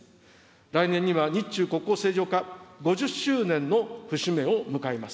来年には日中国交正常化５０周年の節目を迎えます。